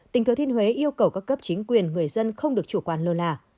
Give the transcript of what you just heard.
tỉnh thứ thiên huế yêu cầu các cấp chính quyền người dân không được chủ quan lô là